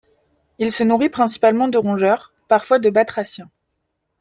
Il se nourrit principalement de rongeurs, parfois de batraciens.